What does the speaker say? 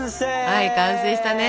はい完成したね。